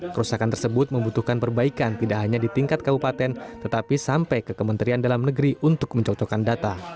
kerusakan tersebut membutuhkan perbaikan tidak hanya di tingkat kabupaten tetapi sampai ke kementerian dalam negeri untuk mencocokkan data